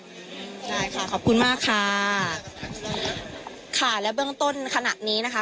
ใช่ค่ะขอบคุณมากค่ะค่ะและเบื้องต้นขณะนี้นะคะ